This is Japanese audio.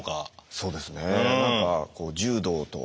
そうですね。